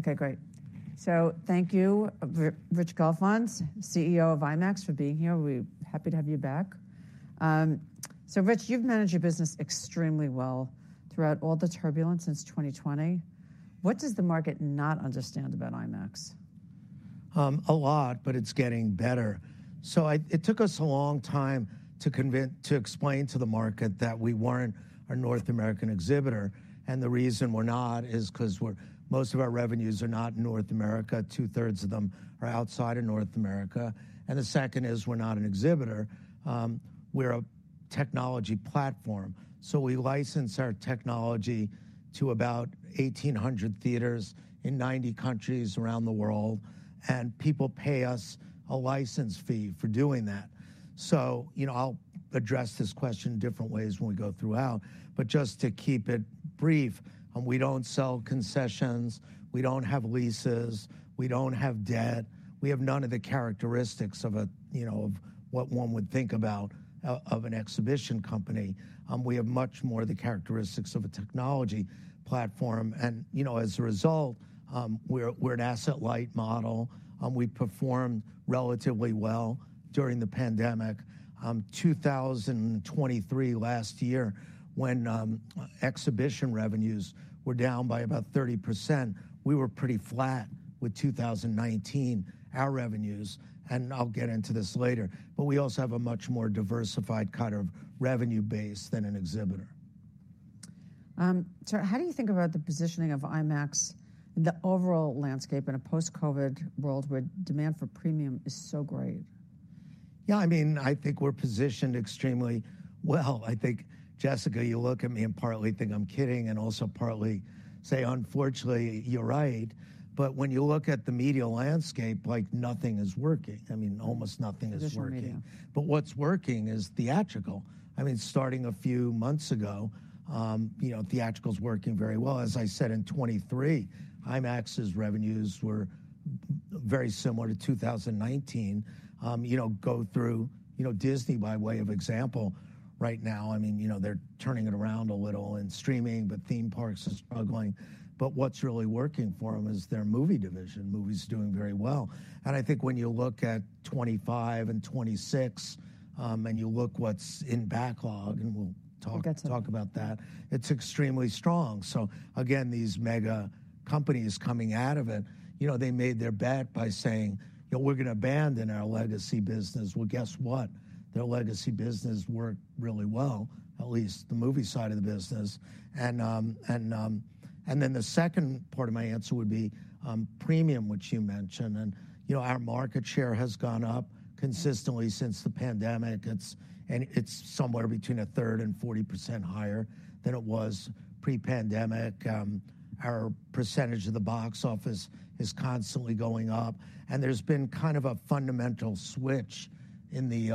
Okay, great. So thank you, Rich Gelfond, CEO of IMAX, for being here. We're happy to have you back. So Rich, you've managed your business extremely well throughout all the turbulence since 2020. What does the market not understand about IMAX? A lot, but it's getting better. So it took us a long time to convince, to explain to the market that we weren't a North American exhibitor, and the reason we're not is 'cause most of our revenues are not in North America. 2/3 of them are outside of North America, and the second is, we're not an exhibitor. We're a technology platform. So we license our technology to about 1,800 theaters in 90 countries around the world, and people pay us a license fee for doing that. So, you know, I'll address this question in different ways when we go throughout, but just to keep it brief, we don't sell concessions. We don't have leases. We don't have debt. We have none of the characteristics of a, you know, of what one would think about of an exhibition company. We have much more of the characteristics of a technology platform, and, you know, as a result, we're an asset-light model. We performed relatively well during the pandemic. 2023, last year, when exhibition revenues were down by about 30%, we were pretty flat with 2019, our revenues, and I'll get into this later, but we also have a much more diversified kind of revenue base than an exhibitor. So, how do you think about the positioning of IMAX, the overall landscape in a post-COVID world, where demand for premium is so great? Yeah, I mean, I think we're positioned extremely well. I think, Jessica, you look at me and partly think I'm kidding and also partly say, "Unfortunately, you're right." But when you look at the media landscape, like, nothing is working. I mean, almost nothing is working. Traditional media. But what's working is theatrical. I mean, starting a few months ago, you know, theatrical's working very well. As I said, in 2023, IMAX's revenues were very similar to 2019. You know, go through, you know, Disney, by way of example, right now, I mean, you know, they're turning it around a little in streaming, but theme parks are struggling. But what's really working for them is their movie division. Movie's doing very well. And I think when you look at 2025 and 2026, and you look what's in backlog, and we'll talk- We'll get to that.... talk about that, it's extremely strong. So again, these mega companies coming out of it, you know, they made their bet by saying, "You know, we're gonna abandon our legacy business." Well, guess what? Their legacy business worked really well, at least the movie side of the business. And then the second part of my answer would be, premium, which you mentioned, and, you know, our market share has gone up consistently since the pandemic. It's... and it's somewhere between a third and 40% higher than it was pre-pandemic. Our percentage of the box office is constantly going up, and there's been kind of a fundamental switch in the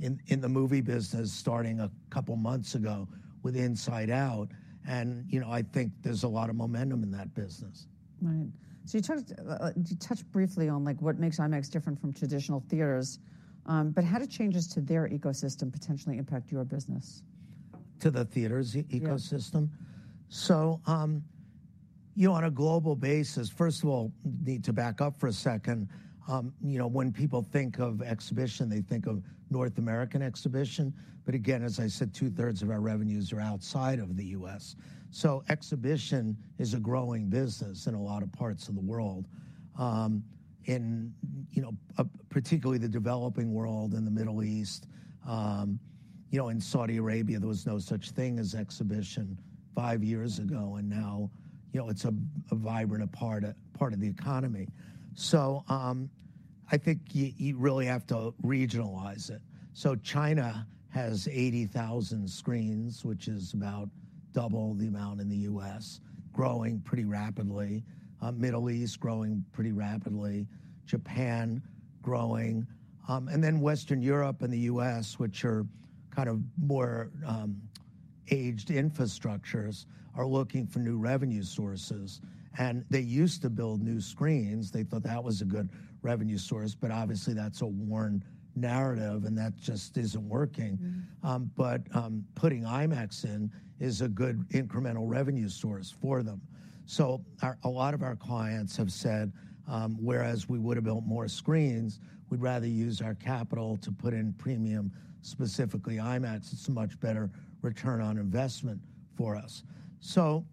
movie business, starting a couple months ago with Inside Out, and, you know, I think there's a lot of momentum in that business. Right. So you talked, you touched briefly on, like, what makes IMAX different from traditional theaters, but how do changes to their ecosystem potentially impact your business? To the theaters' ecosystem? Yeah. So, you know, on a global basis, first of all, need to back up for a second. You know, when people think of exhibition, they think of North American exhibition, but again, as I said, two-thirds of our revenues are outside of the U.S. So exhibition is a growing business in a lot of parts of the world. In, you know, particularly the developing world and the Middle East. You know, in Saudi Arabia, there was no such thing as exhibition five years ago, and now, you know, it's a vibrant part of the economy. So, I think you really have to regionalize it. So China has 80,000 screens, which is about double the amount in the U.S., growing pretty rapidly. Middle East, growing pretty rapidly. Japan, growing. And then Western Europe and the U.S., which are kind of more, aged infrastructures, are looking for new revenue sources. And they used to build new screens. They thought that was a good revenue source, but obviously, that's a worn narrative, and that just isn't working. Mm. But, putting IMAX in is a good incremental revenue source for them. So, a lot of our clients have said, "Whereas we would've built more screens, we'd rather use our capital to put in premium, specifically IMAX. It's a much better return on investment for us." So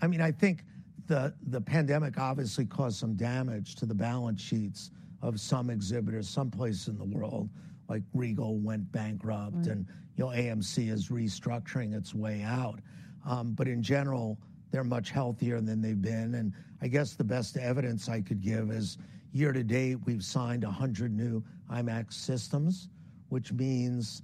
I mean, I think the pandemic obviously caused some damage to the balance sheets of some exhibitors, some places in the world. Like, Regal went bankrupt. Right And, you know, AMC is restructuring its way out. But in general, they're much healthier than they've been, and I guess the best evidence I could give is, year to date, we've signed 100 new IMAX systems, which means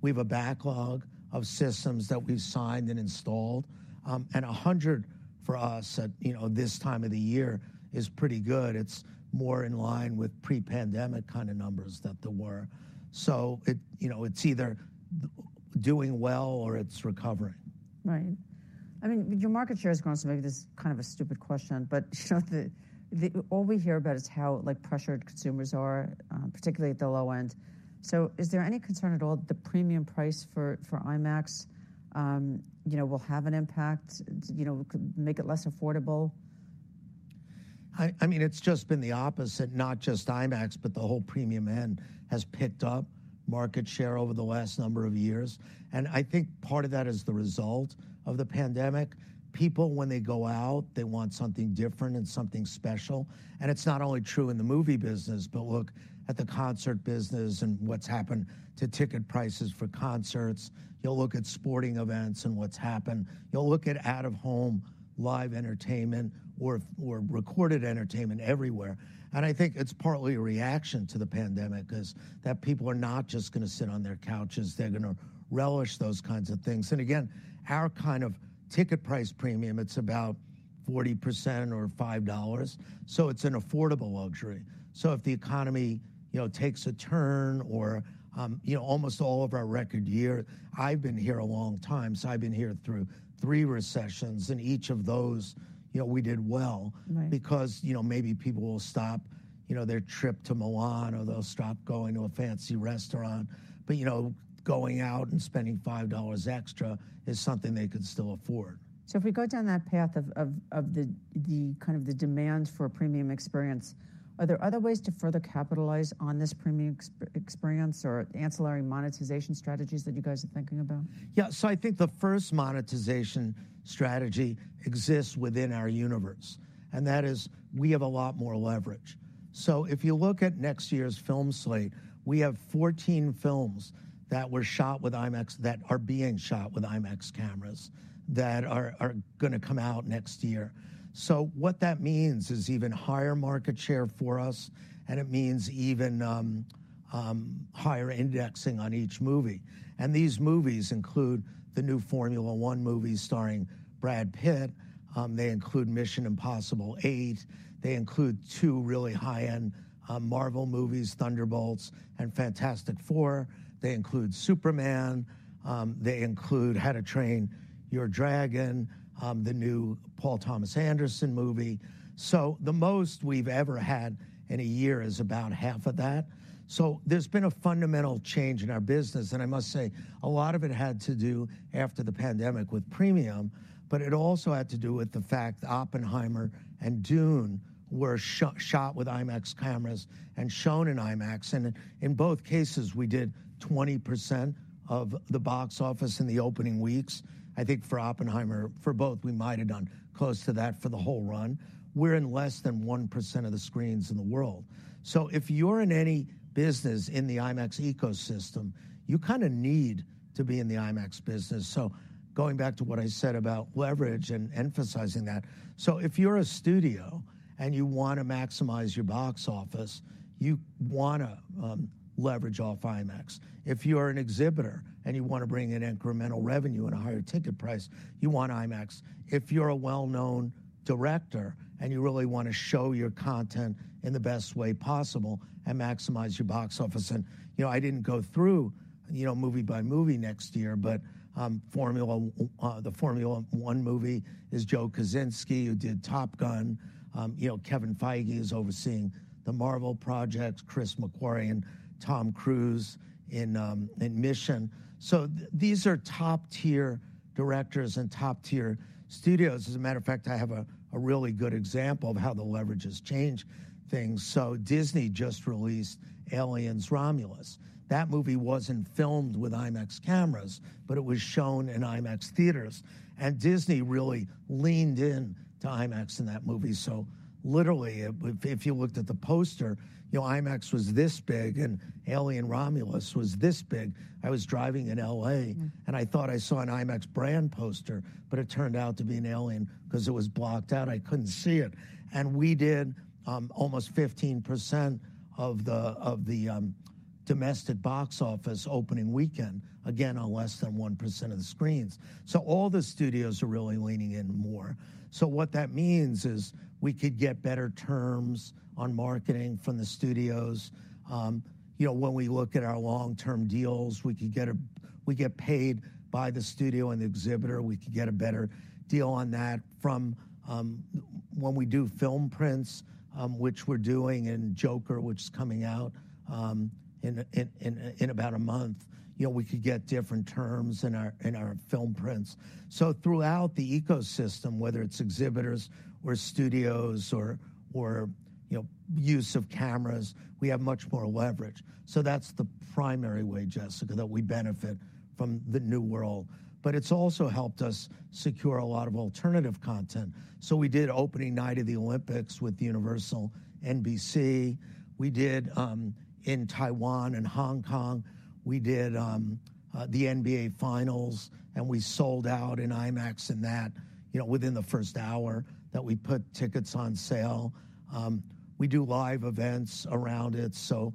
we've a backlog of systems that we've signed and installed, and 100 for us at, you know, this time of the year is pretty good. It's more in line with pre-pandemic kind of numbers than there were. So it, you know, it's either doing well, or it's recovering. Right. I mean, your market share has grown, so maybe this is kind of a stupid question, but you know, The, all we hear about is how, like, pressured consumers are, particularly at the low end. So is there any concern at all the premium price for IMAX, you know, will have an impact, you know, could make it less affordable? I mean, it's just been the opposite, not just IMAX, but the whole premium end has picked up market share over the last number of years, and I think part of that is the result of the pandemic. People, when they go out, they want something different and something special. And it's not only true in the movie business, but look at the concert business and what's happened to ticket prices for concerts. You'll look at sporting events and what's happened. You'll look at out-of-home live entertainment or recorded entertainment everywhere. And I think it's partly a reaction to the pandemic, is that people are not just gonna sit on their couches, they're gonna relish those kinds of things. And again, our kind of ticket price premium, it's about 40% or $5, so it's an affordable luxury. So, if the economy, you know, takes a turn or, you know, almost all of our record year, I've been here a long time, so I've been here through three recessions, and each of those, you know, we did well. Right. Because, you know, maybe people will stop, you know, their trip to Milan, or they'll stop going to a fancy restaurant, but, you know, going out and spending $5 extra is something they could still afford. So if we go down that path of the kind of demand for a premium experience, are there other ways to further capitalize on this premium experience or ancillary monetization strategies that you guys are thinking about? Yeah. So I think the first monetization strategy exists within our universe, and that is, we have a lot more leverage. So if you look at next year's film slate, we have fourteen films that were shot with IMAX, that are being shot with IMAX cameras, that are gonna come out next year. So what that means is even higher market share for us, and it means even higher indexing on each movie. And these movies include the new Formula 1 movie starring Brad Pitt. They include Mission: Impossible 8. They include two really high-end Marvel movies, Thunderbolts and Fantastic Four. They include Superman. They include How to Train Your Dragon, the new Paul Thomas Anderson movie. So the most we've ever had in a year is about half of that. There's been a fundamental change in our business, and I must say, a lot of it had to do after the pandemic with premium, but it also had to do with the fact Oppenheimer and Dune were shot with IMAX cameras and shown in IMAX, and in both cases, we did 20% of the box office in the opening weeks. I think for Oppenheimer, for both, we might have done close to that for the whole run. We're in less than 1% of the screens in the world. So if you're in any business in the IMAX ecosystem, you kinda need to be in the IMAX business. So going back to what I said about leverage and emphasizing that. So if you're a studio and you wanna maximize your box office, you wanna leverage off IMAX. If you are an exhibitor and you wanna bring in incremental revenue and a higher ticket price, you want IMAX. If you're a well-known director and you really wanna show your content in the best way possible and maximize your box office. And, you know, I didn't go through, you know, movie by movie next year, but, Formula, the Formula 1 movie is Joe Kosinski, who did Top Gun. You know, Kevin Feige is overseeing the Marvel projects, Chris McQuarrie and Tom Cruise in, in Mission. So these are top-tier directors and top-tier studios. As a matter of fact, I have a really good example of how the leverage has changed things. So Disney just released Alien: Romulus. That movie wasn't filmed with IMAX cameras, but it was shown in IMAX theaters, and Disney really leaned in to IMAX in that movie. So literally, if you looked at the poster, you know, IMAX was this big, and Alien: Romulus was this big. I was driving in LA. And I thought I saw an IMAX brand poster, but it turned out to be an alien. 'Cause it was blocked out, I couldn't see it. And we did almost 15% of the domestic box office opening weekend, again, on less than 1% of the screens. So all the studios are really leaning in more. So what that means is we could get better terms on marketing from the studios. You know, when we look at our long-term deals, we could get we get paid by the studio and the exhibitor. We could get a better deal on that from when we do film prints, which we're doing, and Joker, which is coming out in about a month. You know, we could get different terms in our film prints. So throughout the ecosystem, whether it's exhibitors or studios or, or, you know, use of cameras, we have much more leverage. So that's the primary way, Jessica, that we benefit from the new world. But it's also helped us secure a lot of alternative content. So we did opening night of the Olympics with Universal NBC. We did in Taiwan and Hong Kong we did the NBA Finals, and we sold out in IMAX in that, you know, within the first hour that we put tickets on sale. We do live events around it, so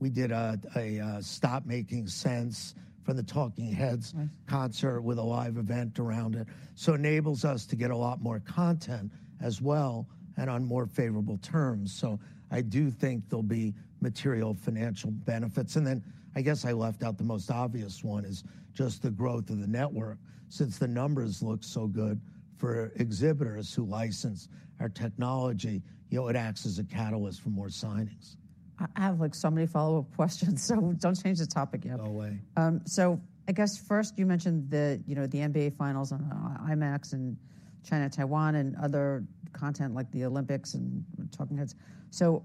we did a Stop Making Sense for the Talking Heads. Right. concert with a live event around it. So enables us to get a lot more content as well and on more favorable terms. So I do think there'll be material financial benefits. And then I guess I left out the most obvious one, is just the growth of the network. Since the numbers look so good for exhibitors who license our technology, you know, it acts as a catalyst for more signings. I have, like, so many follow-up questions, so don't change the topic yet. No way. So I guess first, you mentioned the, you know, the NBA finals on IMAX in China, Taiwan, and other content like the Olympics and Talking Heads. So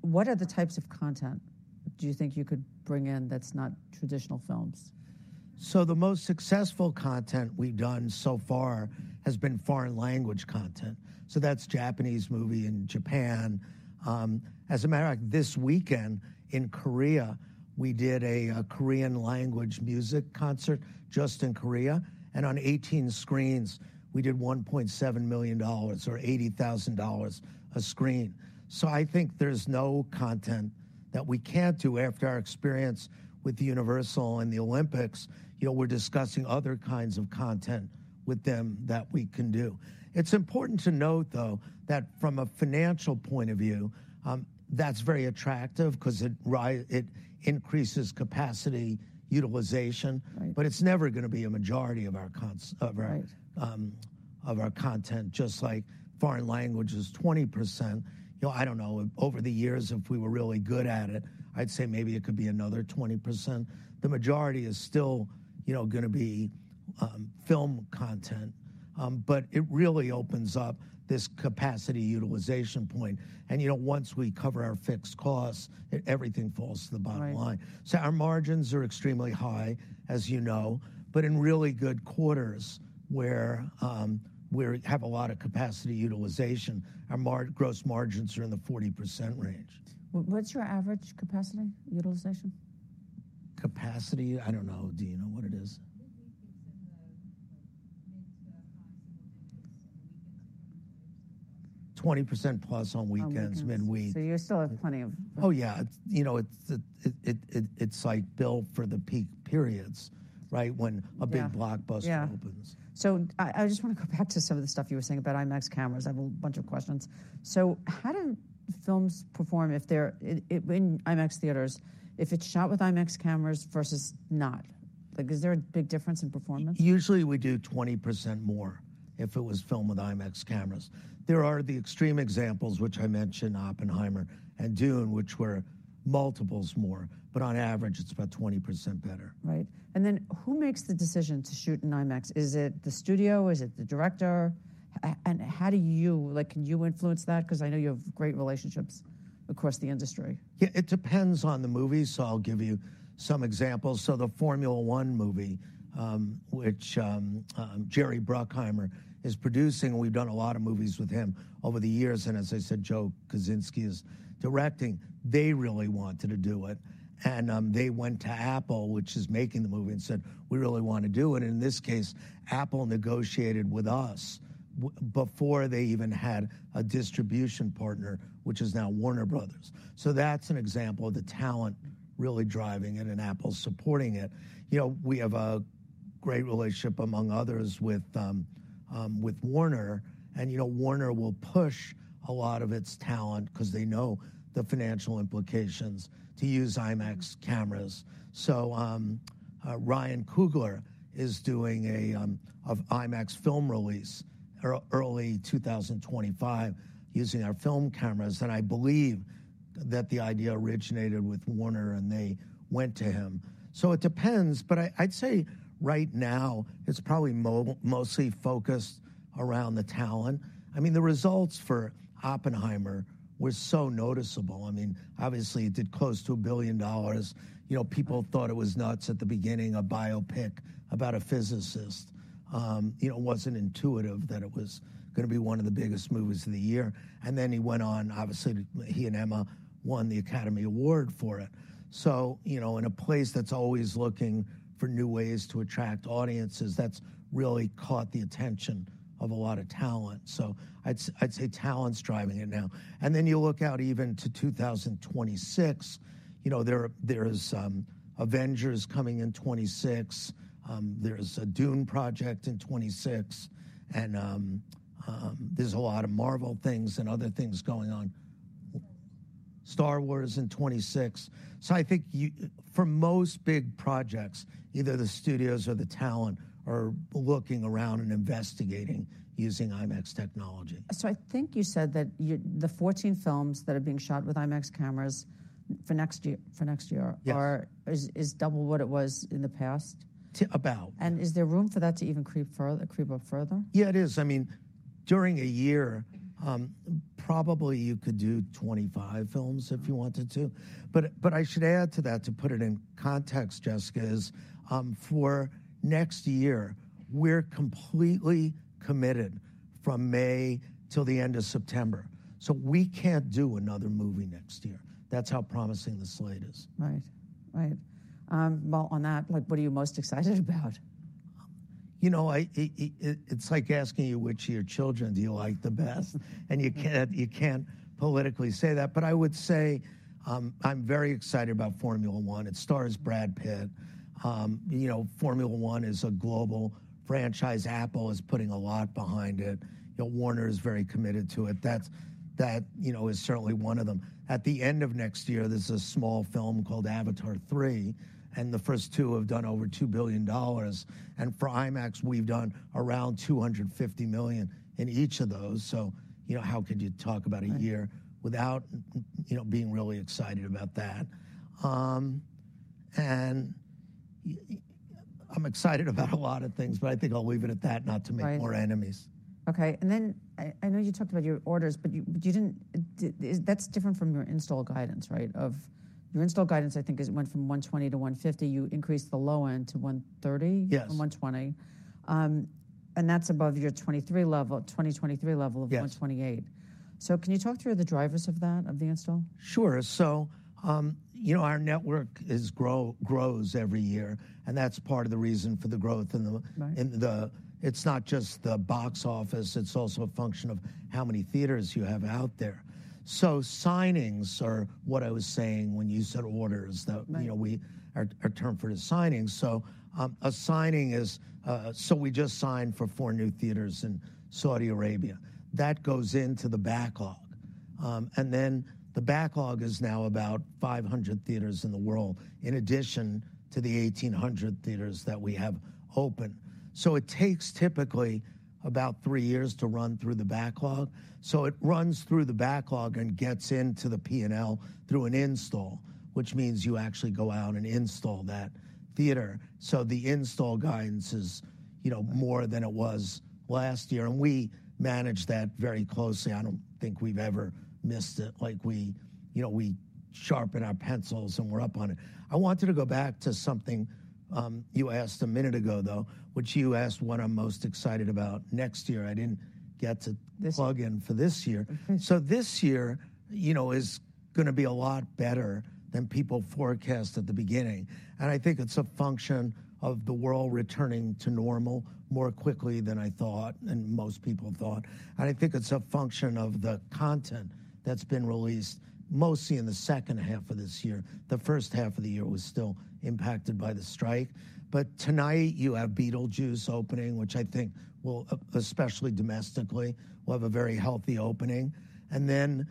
what other types of content do you think you could bring in that's not traditional films? So the most successful content we've done so far has been foreign language content, so that's Japanese movie in Japan. As a matter of fact, this weekend in Korea, we did a Korean language music concert just in Korea, and on 18 screens we did $1.7 million, or $80,000 a screen. So I think there's no content that we can't do after our experience with Universal and the Olympics. You know, we're discussing other kinds of content with them that we can do. It's important to note, though, that from a financial point of view, that's very attractive 'cause it increases capacity utilization. Right. But it's never gonna be a majority of our Right Of our content, just like foreign language is 20%. You know, I don't know, over the years, if we were really good at it, I'd say maybe it could be another 20%. The majority is still, you know, gonna be film content. But it really opens up this capacity utilization point, and, you know, once we cover our fixed costs, everything falls to the bottom line. Right. Our margins are extremely high, as you know, but in really good quarters where we have a lot of capacity utilization, our gross margins are in the 40% range. What's your average capacity utilization? Capacity? I don't know. Do you know what it is? I think it's in the, like, mid to high single digits on the weekends. 20%+ on weekends- On weekends midweek. So you still have plenty of Oh, yeah, you know, it's sized built for the peak periods, right? Yeah. When a big blockbuster opens. Yeah. So I just wanna go back to some of the stuff you were saying about IMAX cameras. I have a bunch of questions. So how do films perform if they're in IMAX theaters, if it's shot with IMAX cameras versus not? Like, is there a big difference in performance? Usually, we do 20% more if it was filmed with IMAX cameras. There are the extreme examples, which I mentioned, Oppenheimer and Dune, which were multiples more, but on average, it's about 20% better. Right. And then who makes the decision to shoot in IMAX? Is it the studio? Is it the director? And how do you... Like, can you influence that? 'Cause I know you have great relationships across the industry. Yeah, it depends on the movie, so I'll give you some examples. So the Formula 1 movie, which, Jerry Bruckheimer is producing, we've done a lot of movies with him over the years, and as I said, Joe Kosinski is directing. They really wanted to do it, and, they went to Apple, which is making the movie, and said, "We really want to do it." And in this case, Apple negotiated with us before they even had a distribution partner, which is now Warner Bros. So that's an example of the talent really driving it, and Apple supporting it. You know, we have a great relationship, among others, with, with Warner, and, you know, Warner will push a lot of its talent, 'cause they know the financial implications, to use IMAX cameras. So, Ryan Coogler is doing an IMAX film release early 2025 using our film cameras, and I believe that the idea originated with Warner, and they went to him. So it depends, but I'd say right now it's probably mostly focused around the talent. I mean, the results for Oppenheimer were so noticeable. I mean, obviously, it did close to $1 billion. You know, people thought it was nuts at the beginning, a biopic about a physicist. You know, it wasn't intuitive that it was gonna be one of the biggest movies of the year, and then he went on, obviously, he and Emma won the Academy Award for it. So, you know, in a place that's always looking for new ways to attract audiences, that's really caught the attention of a lot of talent. So I'd say, I'd say talent's driving it now. And then you look out even to 2026, you know, there's Avengers coming in 2026. There's a Dune project in 2026, and there's a lot of Marvel things and other things going on. Star Wars. Star Wars in 2026. So I think for most big projects, either the studios or the talent are looking around and investigating using IMAX technology. So I think you said that the fourteen films that are being shot with IMAX cameras for next year. Yes is double what it was in the past? T- about. Is there room for that to even creep further, creep up further? Yeah, it is. I mean, during a year, probably you could do 25 films if you wanted to. But I should add to that, to put it in context, Jessica, is for next year, we're completely committed from May till the end of September, so we can't do another movie next year. That's how promising the slate is. Right. Right. Well, on that, like, what are you most excited about? You know, it's like asking you which of your children do you like the best, and you can't, you can't politically say that. But I would say, I'm very excited about Formula 1. It stars Brad Pitt. You know, Formula 1 is a global franchise. Apple is putting a lot behind it. You know, Warner is very committed to it. That, you know, is certainly one of them. At the end of next year, there's a small film called Avatar 3, and the first two have done over $2 billion, and for IMAX, we've done around $250 million in each of those. So, you know, how could you talk about a year- Right without, you know, being really excited about that? And I'm excited about a lot of things, but I think I'll leave it at that, not to make- Right. more enemies. Okay, and then I know you talked about your orders, but you didn't. That's different from your install guidance, right? Your install guidance, I think, went from 120 to 150. You increased the low end to 130? Yes. 120, and that's above your 2023 level, 2023 level- Yes of 128. So can you talk through the drivers of that, of the install? Sure. So, you know, our network grows every year, and that's part of the reason for the growth in the Right in the, it's not just the box office. It's also a function of how many theaters you have out there. So signings are what I was saying when you said orders. Right. Though, you know, we, our term for it is signings. So, a signing is, so we just signed for four new theaters in Saudi Arabia. That goes into the backlog. And then the backlog is now about 500 theaters in the world, in addition to the 1,800 theaters that we have open. It takes typically about three years to run through the backlog. It runs through the backlog and gets into the P&L through an install, which means you actually go out and install that theater. The install guidance is, you know, more than it was last year, and we manage that very closely. I don't think we've ever missed it. Like, we, you know, we sharpen our pencils, and we're up on it. I wanted to go back to something, you asked a minute ago, though, which you asked what I'm most excited about next year. I didn't get to This plug in for this year. So this year, you know, is gonna be a lot better than people forecast at the beginning, and I think it's a function of the world returning to normal more quickly than I thought and most people thought. And I think it's a function of the content that's been released, mostly in the second half of this year. The first half of the year was still impacted by the strike. But tonight you have Beetlejuice opening, which I think will, especially domestically, will have a very healthy opening. And then,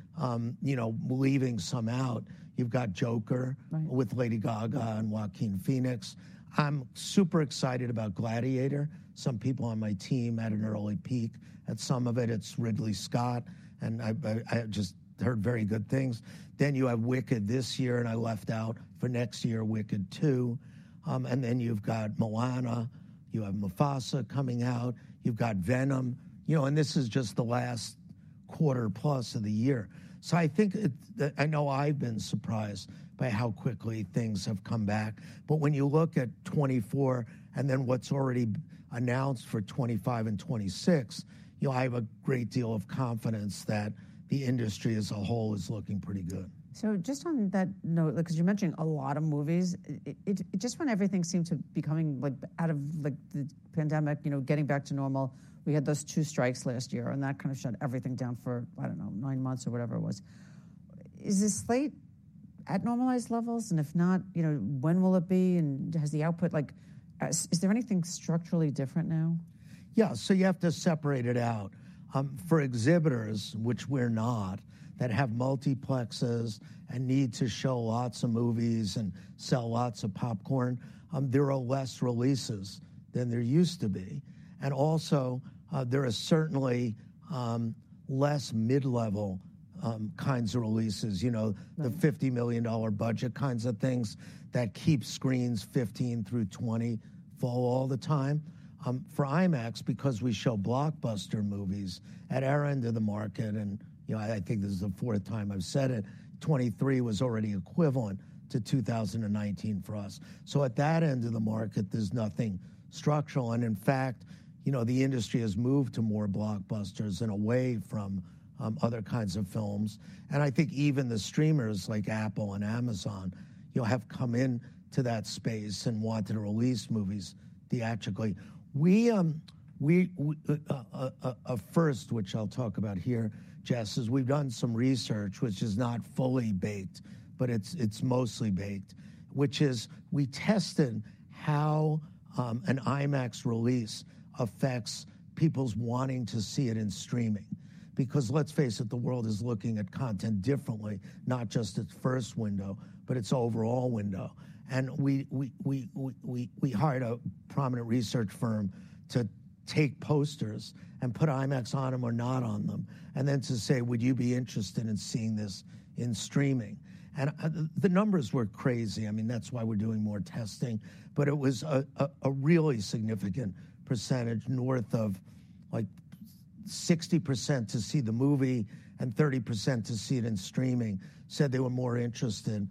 you know, leaving some out, you've got Joker Right with Lady Gaga and Joaquin Phoenix. I'm super excited about Gladiator. Some people on my team had an early peek at some of it. It's Ridley Scott, and I just heard very good things. Then you have Wicked this year, and I left out for next year, Wicked Two. And then you've got Moana, you have Mufasa coming out. You've got Venom, you know, and this is just the last quarter plus of the year. So I think it, the. I know I've been surprised by how quickly things have come back. But when you look at 2024 and then what's already announced for 2025 and 2026, you'll have a great deal of confidence that the industry as a whole is looking pretty good. So just on that note, because you're mentioning a lot of movies, it just when everything seemed to be coming, like, out of, like, the pandemic, you know, getting back to normal, we had those two strikes last year, and that kind of shut everything down for, I don't know, nine months or whatever it was. Is the slate at normalized levels? And if not, you know, when will it be, and has the output like, is there anything structurally different now? Yeah, so you have to separate it out. For exhibitors, which we're not, that have multiplexes and need to show lots of movies and sell lots of popcorn, there are less releases than there used to be. And also, there are certainly less mid-level kinds of releases. You know Right the $50 million budget kinds of things that keep screens 15-20 full all the time. For IMAX, because we show blockbuster movies at our end of the market, and, you know, I think this is the fourth time I've said it, 2023 was already equivalent to 2019 for us. So at that end of the market, there's nothing structural. And in fact, you know, the industry has moved to more blockbusters and away from other kinds of films. And I think even the streamers like Apple and Amazon, you know, have come into that space and wanted to release movies theatrically. We have a first, which I'll talk about here, Jess, is we've done some research, which is not fully baked, but it's mostly baked, which is, we tested how an IMAX release affects people's wanting to see it in streaming. Because let's face it, the world is looking at content differently, not just its first window, but its overall window. And we hired a prominent research firm to take posters and put IMAX on them or not on them, and then to say: "Would you be interested in seeing this in streaming?" And the numbers were crazy. I mean, that's why we're doing more testing. But it was a really significant percentage, north of, like, 60% to see the movie and 30% to see it in streaming. Said they were more interested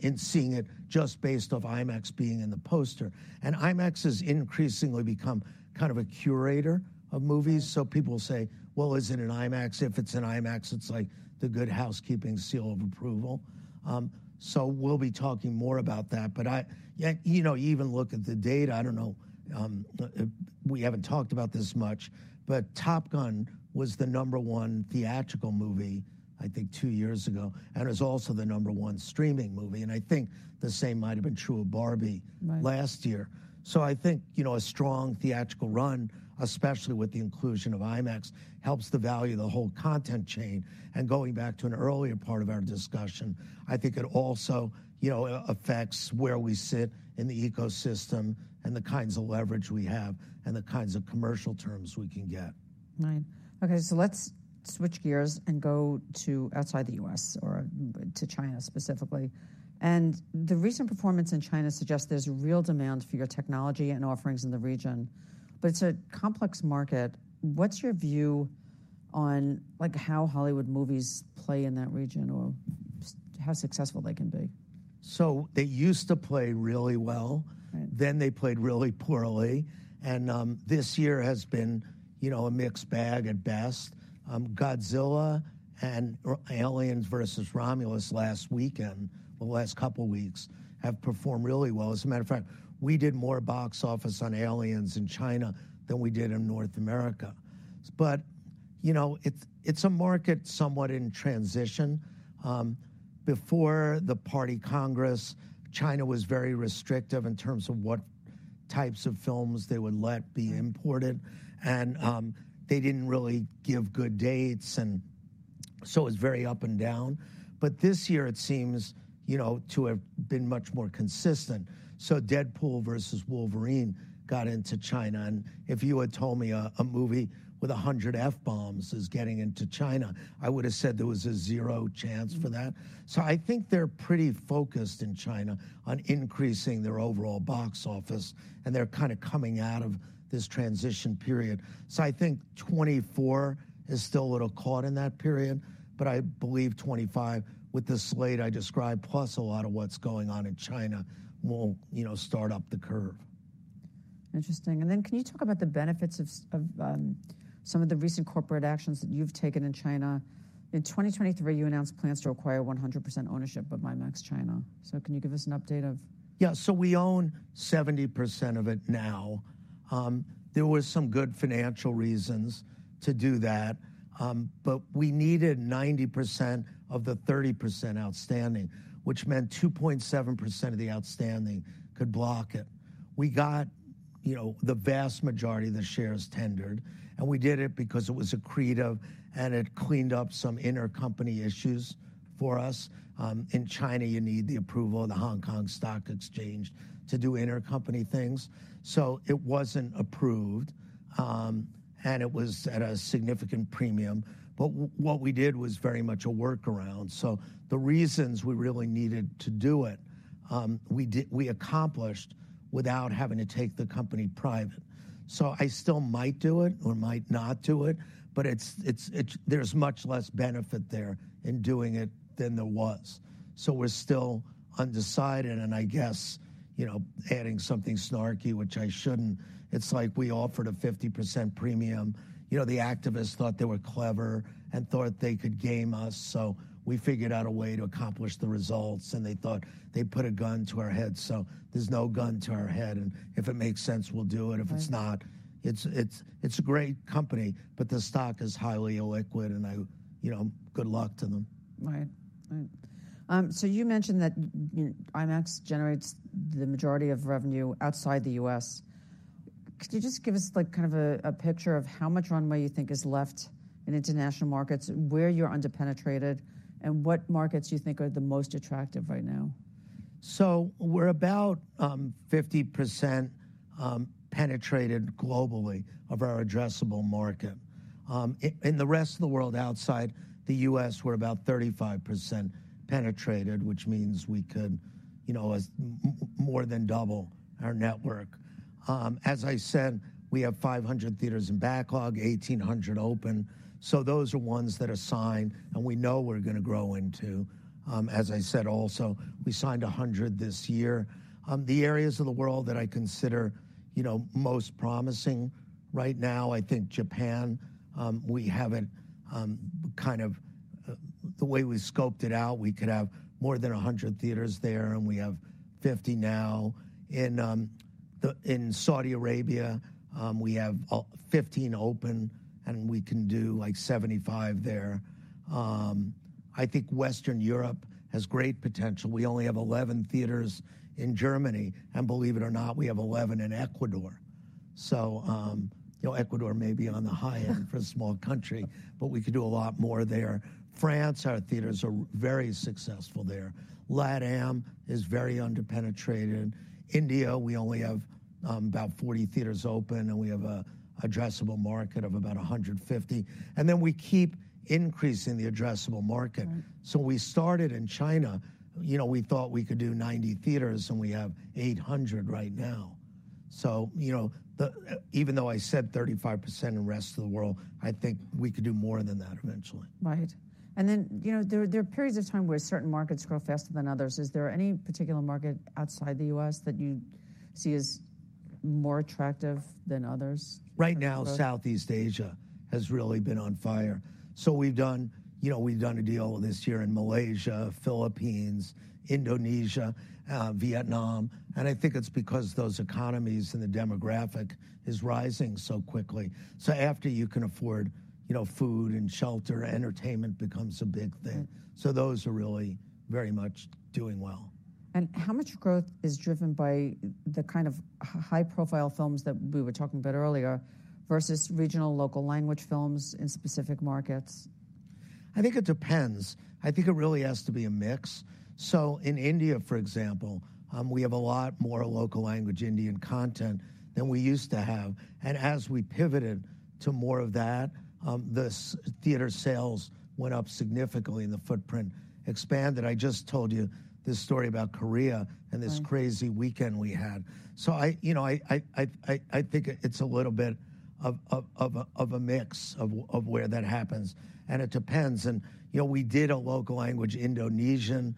in seeing it just based off IMAX being in the poster. And IMAX has increasingly become kind of a curator of movies. Right. So people say, "Well, is it in IMAX?" If it's in IMAX, it's like the Good Housekeeping Seal of Approval. So we'll be talking more about that. But yeah, you know, even look at the data, I don't know, we haven't talked about this much, but Top Gun was the number one theatrical movie, I think, two years ago, and it was also the number one streaming movie, and I think the same might have been true of Barbie Right last year. So I think, you know, a strong theatrical run, especially with the inclusion of IMAX, helps the value of the whole content chain. And going back to an earlier part of our discussion, I think it also, you know, affects where we sit in the ecosystem and the kinds of leverage we have and the kinds of commercial terms we can get. Right. Okay, so let's switch gears and go to outside the U.S. or to China specifically, and the recent performance in China suggests there's real demand for your technology and offerings in the region, but it's a complex market. What's your view on, like, how Hollywood movies play in that region or how successful they can be? So they used to play really well. Right. Then they played really poorly, and this year has been, you know, a mixed bag at best. Godzilla and Alien: Romulus last weekend, well, last couple weeks, have performed really well. As a matter of fact, we did more box office on Alien: Romulus in China than we did in North America. But, you know, it's, it's a market somewhat in transition. Before the Party Congress, China was very restrictive in terms of what types of films they would let be imported They didn't really give good dates, and so it was very up and down. But this year it seems, you know, to have been much more consistent. So Deadpool versus Wolverine got into China, and if you had told me a movie with a hundred F-bombs is getting into China, I would have said there was a zero chance for that. So I think they're pretty focused in China on increasing their overall box office, and they're kind of coming out of this transition period. So I think 2024 is still a little caught in that period, but I believe 2025, with the slate I described, plus a lot of what's going on in China, will, you know, start up the curve. Interesting. And then, can you talk about the benefits of some of the recent corporate actions that you've taken in China? In 2023, you announced plans to acquire 100% ownership of IMAX China. So can you give us an update of- Yeah, so we own 70% of it now. There was some good financial reasons to do that, but we needed 90% of the 30% outstanding, which meant 2.7% of the outstanding could block it. We got, you know, the vast majority of the shares tendered, and we did it because it was accretive, and it cleaned up some intercompany issues for us. In China, you need the approval of the Hong Kong Stock Exchange to do intercompany things, so it wasn't approved. And it was at a significant premium. But what we did was very much a workaround. So the reasons we really needed to do it, we did. We accomplished without having to take the company private. So I still might do it or might not do it, but it's, there's much less benefit there in doing it than there was. We're still undecided, and I guess, you know, adding something snarky, which I shouldn't, it's like we offered a 50% premium. You know, the activists thought they were clever and thought they could game us, so we figured out a way to accomplish the results, and they thought they put a gun to our head, so there's no gun to our head, and if it makes sense, we'll do it. Right. If it's not, it's a great company, but the stock is highly illiquid, and I, you know, good luck to them. Right. Right. So you mentioned that, you know, IMAX generates the majority of revenue outside the U.S. Could you just give us, like, kind of a picture of how much runway you think is left in international markets, where you're under-penetrated, and what markets you think are the most attractive right now? So we're about 50% penetrated globally of our addressable market. In the rest of the world outside the U.S., we're about 35% penetrated, which means we could, you know, more than double our network. As I said, we have 500 theaters in backlog, 1,800 open, so those are ones that are signed and we know we're gonna grow into. As I said, also, we signed 100 this year. The areas of the world that I consider, you know, most promising right now, I think Japan, kind of the way we scoped it out, we could have more than 100 theaters there, and we have 50 now. In Saudi Arabia, we have 15 open, and we can do, like, 75 there. I think Western Europe has great potential. We only have 11 theaters in Germany, and believe it or not, we have 11 in Ecuador. So, you know, Ecuador may be on the high end for a small country, but we could do a lot more there. France, our theaters are very successful there. LatAm is very under-penetrated. India, we only have about 40 theaters open, and we have an addressable market of about 150, and then we keep increasing the addressable market. Right. So we started in China, you know, we thought we could do 90 theaters, and we have 800 right now. So, you know, the, even though I said 35% in the rest of the world, I think we could do more than that eventually. Right. And then, you know, there are periods of time where certain markets grow faster than others. Is there any particular market outside the U.S. that you see as more attractive than others right now? Right now, Southeast Asia has really been on fire. So we've done, you know, we've done a deal this year in Malaysia, Philippines, Indonesia, Vietnam, and I think it's because those economies and the demographic is rising so quickly. So after you can afford, you know, food and shelter, entertainment becomes a big thing. So those are really very much doing well. How much growth is driven by the kind of high-profile films that we were talking about earlier versus regional, local language films in specific markets? I think it depends. I think it really has to be a mix. So in India, for example, we have a lot more local language Indian content than we used to have, and as we pivoted to more of that, the theater sales went up significantly and the footprint expanded. I just told you this story about Korea Right and this crazy weekend we had. So I, you know, think it's a little bit of a mix of where that happens, and it depends. And, you know, we did a local language Indonesian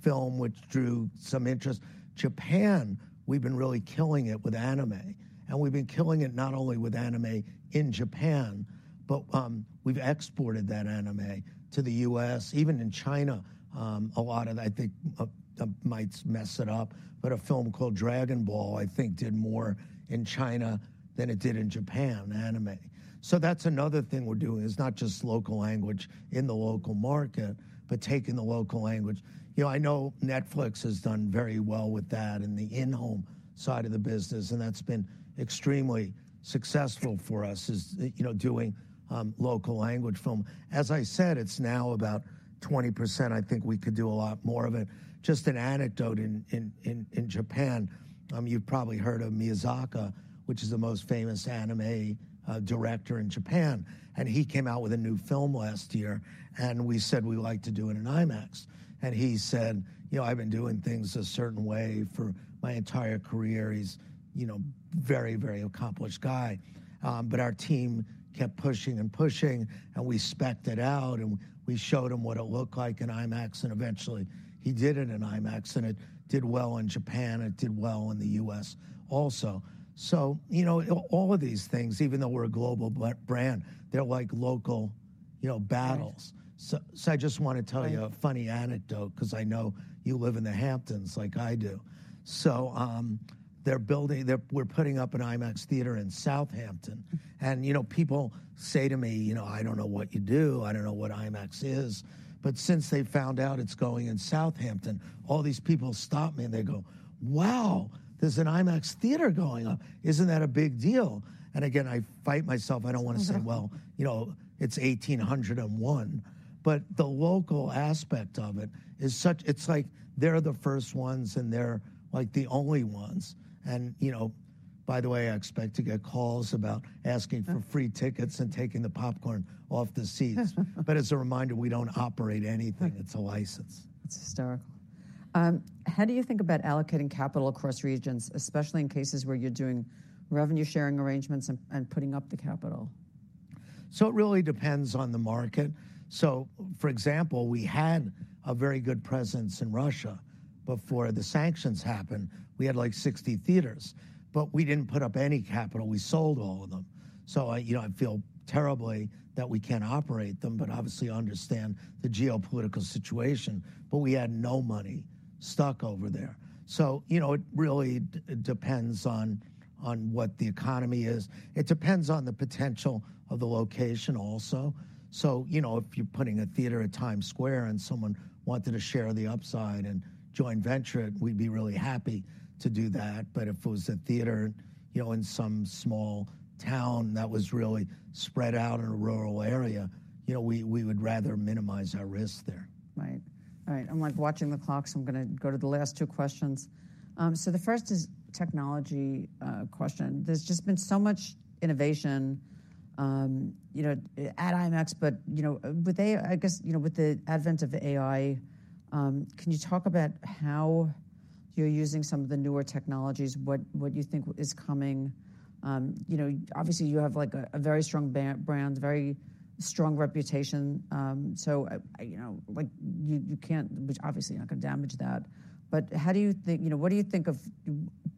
film, which drew some interest. Japan, we've been really killing it with anime, and we've been killing it not only with anime in Japan, but we've exported that anime to the U.S. Even in China, a lot of, I think I might mess it up, but a film called Dragon Ball, I think, did more in China than it did in Japan, anime. So that's another thing we're doing. It's not just local language in the local market, but taking the local language. You know, I know Netflix has done very well with that in the in-home side of the business, and that's been extremely successful for us, you know, doing local language film. As I said, it's now about 20%. I think we could do a lot more of it. Just an anecdote in Japan, you've probably heard of Miyazaki, which is the most famous anime director in Japan, and he came out with a new film last year, and we said we'd like to do it in IMAX. And he said, "You know, I've been doing things a certain way for my entire career." He's, you know, very, very accomplished guy. But our team kept pushing and pushing, and we spec'd it out, and we showed him what it looked like in IMAX, and eventually he did it in IMAX, and it did well in Japan. It did well in the U.S. also. You know, all of these things, even though we're a global brand, they're like local, you know, battles. Right. I just want to tell you a funny anecdote, because I know you live in the Hamptons like I do. So, they're building an IMAX theater in Southampton, and, you know, people say to me, "You know, I don't know what you do. I don't know what IMAX is." But since they've found out it's going in Southampton, all these people stop me and they go, "Wow, there's an IMAX theater going up. Isn't that a big deal?" And again, I fight myself. I don't want to say, "Well, you know, it's eighteen hundred and one." But the local aspect of it is such... It's like they're the first ones, and they're, like, the only ones. And, you know, by the way, I expect to get calls about asking for free tickets and taking the popcorn off the seats. But as a reminder, we don't operate anything. It's a license. It's historical. How do you think about allocating capital across regions, especially in cases where you're doing revenue sharing arrangements and putting up the capital? It really depends on the market. For example, we had a very good presence in Russia before the sanctions happened. We had, like, 60 theaters, but we didn't put up any capital. We sold all of them. I, you know, feel terribly that we can't operate them, but obviously understand the geopolitical situation. But we had no money stuck over there. You know, it really depends on what the economy is. It depends on the potential of the location also. You know, if you're putting a theater in Times Square and someone wanted to share the upside and joint venture it, we'd be really happy to do that. But if it was a theater, you know, in some small town that was really spread out in a rural area, you know, we, we would rather minimize our risk there. Right. All right, I'm, like, watching the clock, so I'm gonna go to the last two questions, so the first is technology question. There's just been so much innovation, you know, at IMAX, but, you know, with AI. I guess, you know, with the advent of AI, can you talk about how you're using some of the newer technologies? What you think is coming? You know, obviously you have, like, a very strong brand, very strong reputation, so, you know, like, you can't. You're obviously not gonna damage that, but how do you think. You know, what do you think of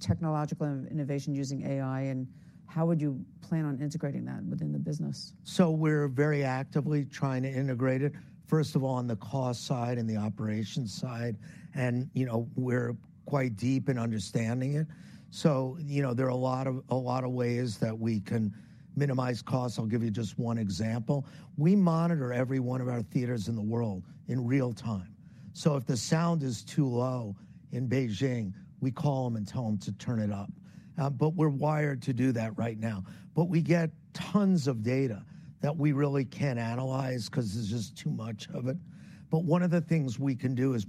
technological innovation using AI, and how would you plan on integrating that within the business? So we're very actively trying to integrate it, first of all, on the cost side and the operations side, and, you know, we're quite deep in understanding it. So, you know, there are a lot of, a lot of ways that we can minimize costs. I'll give you just one example. We monitor every one of our theaters in the world in real time. So if the sound is too low in Beijing, we call them and tell them to turn it up. But we're wired to do that right now. But we get tons of data that we really can't analyze because there's just too much of it. But one of the things we can do is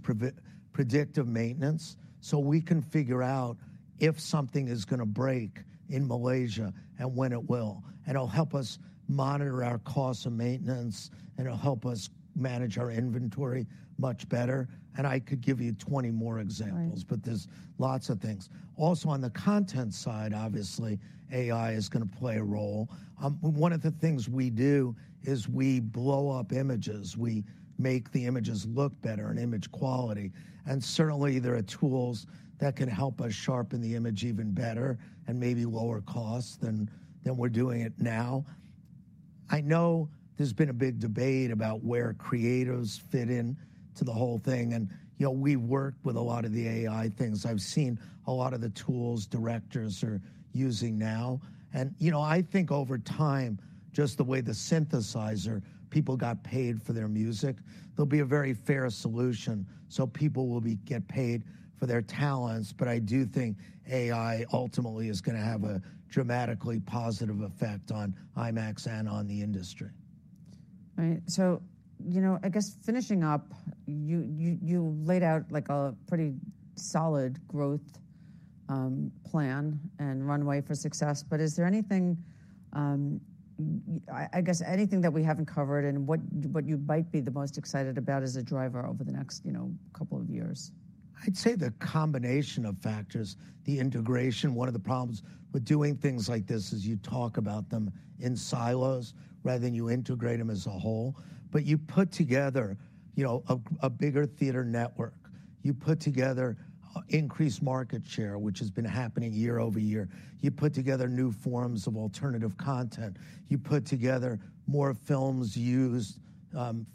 predictive maintenance, so we can figure out if something is gonna break in Malaysia and when it will. It'll help us monitor our costs of maintenance, and it'll help us manage our inventory much better, and I could give you 20 more examples Right but there's lots of things. Also, on the content side, obviously, AI is gonna play a role. One of the things we do is we blow up images. We make the images look better and image quality, and certainly there are tools that can help us sharpen the image even better and maybe lower cost than we're doing it now. I know there's been a big debate about where creatives fit in to the whole thing and, you know, we work with a lot of the AI things. I've seen a lot of the tools directors are using now, and, you know, I think over time, just the way the synthesizer people got paid for their music, there'll be a very fair solution, so people will get paid for their talents. But I do think AI ultimately is gonna have a dramatically positive effect on IMAX and on the industry. Right. So, you know, I guess finishing up, you laid out, like, a pretty solid growth plan and runway for success, but is there anything, I guess, anything that we haven't covered and what you might be the most excited about as a driver over the next, you know, couple of years? I'd say the combination of factors, the integration. One of the problems with doing things like this is you talk about them in silos rather than you integrate them as a whole. But you put together, you know, a bigger theater network. You put together increased market share, which has been happening year-over-year. You put together new forms of alternative content. You put together more films used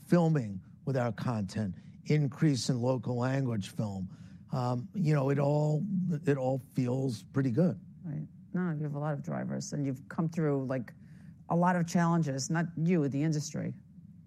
filming with our content, increase in local language film. You know, it all, it all feels pretty good. Right. No, you have a lot of drivers, and you've come through, like, a lot of challenges, not you, the industry-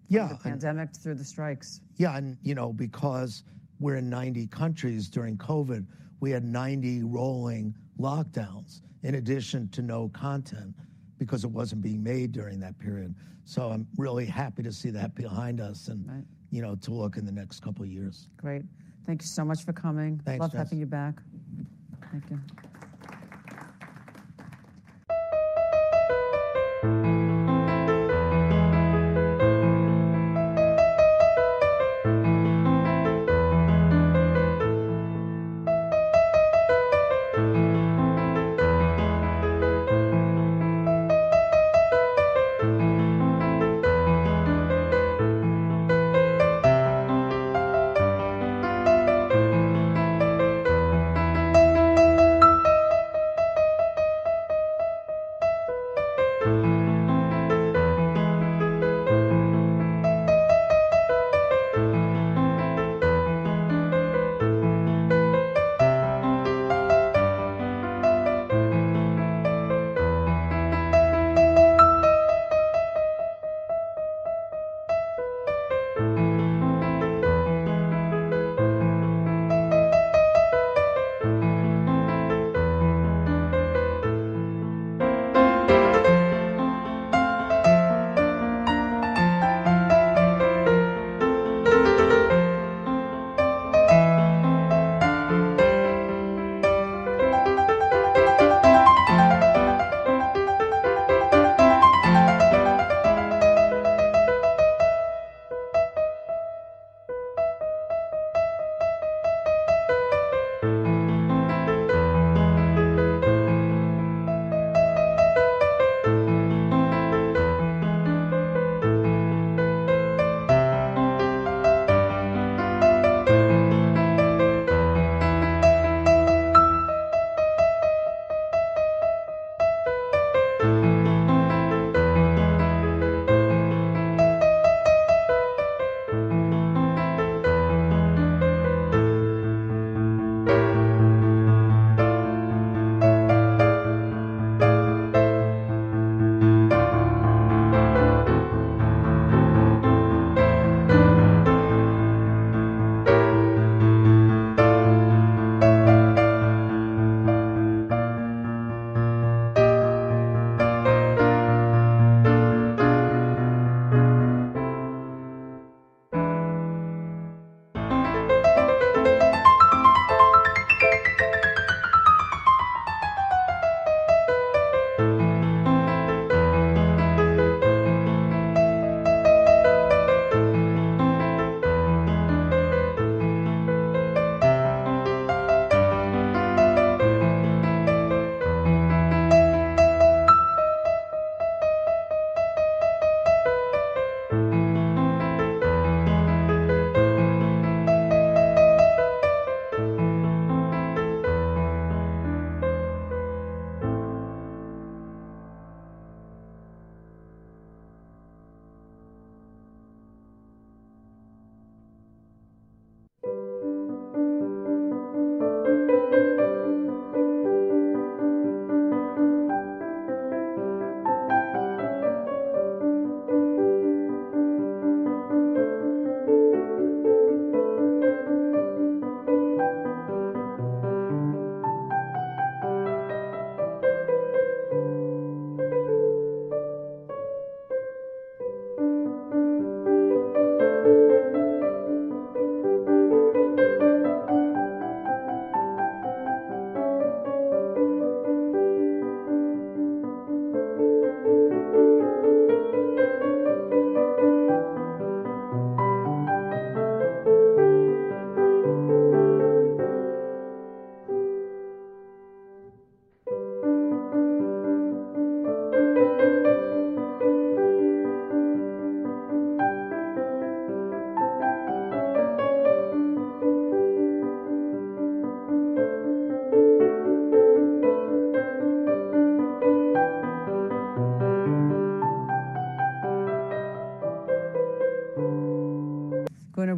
Yeah through the pandemic, through the strikes. Yeah, and, you know, because we're in ninety countries, during COVID, we had 90 rolling lockdowns in addition to no content because it wasn't being made during that period. So I'm really happy to see that behind us and Right you know, to look in the next couple of years. Great. Thank you so much for coming. Thanks, Jess. Love having you back. Thank you.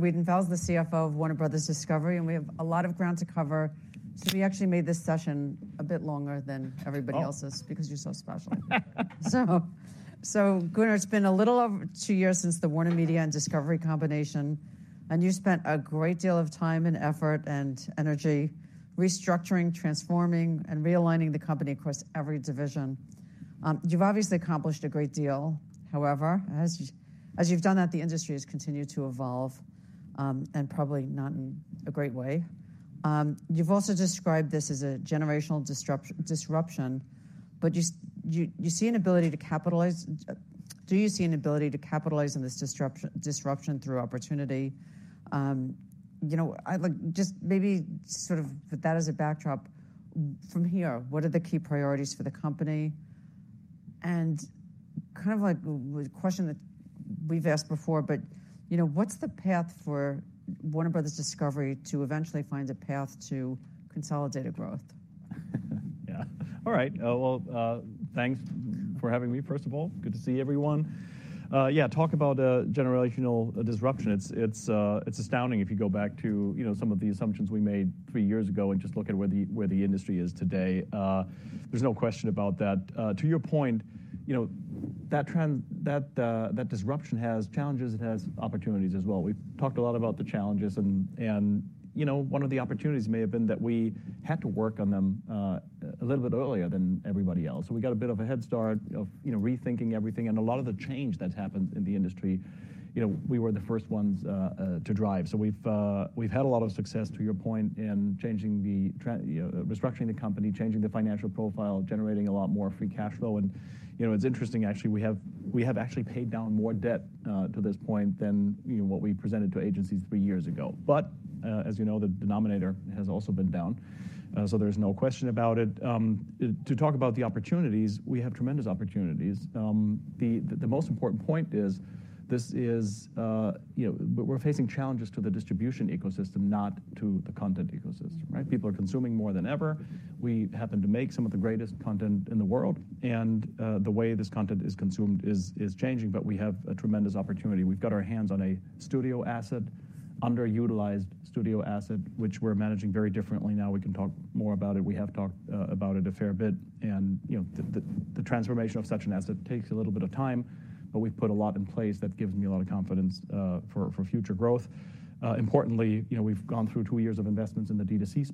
Gunnar Wiedenfels, the CFO of Warner Bros. Discovery, and we have a lot of ground to cover. So we actually made this session a bit longer than everybody else's Oh! because you're so special. So, so Gunnar, it's been a little over two years since the WarnerMedia and Discovery combination, and you spent a great deal of time and effort and energy restructuring, transforming, and realigning the company across every division. You've obviously accomplished a great deal. However, as you, as you've done that, the industry has continued to evolve, and probably not in a great way. You've also described this as a generational disruption. But you see an ability to capitalize on this disruption through opportunity? You know, I'd like just maybe sort of with that as a backdrop, from here, what are the key priorities for the company? Kind of like a question that we've asked before, but, you know, what's the path for Warner Bros. Discovery to eventually find a path to consolidated growth? Yeah. All right. Well, thanks for having me, first of all. Good to see everyone. Yeah, talk about a generational disruption. It's astounding if you go back to, you know, some of the assumptions we made three years ago and just look at where the industry is today. There's no question about that. To your point, you know, that trend, that disruption has challenges, it has opportunities as well. We've talked a lot about the challenges and, you know, one of the opportunities may have been that we had to work on them a little bit earlier than everybody else. So we got a bit of a head start of, you know, rethinking everything, and a lot of the change that's happened in the industry, you know, we were the first ones to drive. So we've had a lot of success, to your point, in changing the trend, you know, restructuring the company, changing the financial profile, generating a lot more free cash flow. You know, it's interesting, actually, we have actually paid down more debt to this point than, you know, what we presented to agencies three years ago. As you know, the denominator has also been down, so there's no question about it. To talk about the opportunities, we have tremendous opportunities. The most important point is, this is, you know. We're facing challenges to the distribution ecosystem, not to the content ecosystem, right? People are consuming more than ever. We happen to make some of the greatest content in the world, and the way this content is consumed is changing, but we have a tremendous opportunity. We've got our hands on a studio asset, underutilized studio asset, which we're managing very differently now. We can talk more about it. We have talked about it a fair bit, and you know, the transformation of such an asset takes a little bit of time, but we've put a lot in place that gives me a lot of confidence for future growth. Importantly, you know, we've gone through two years of investments in the D2C space.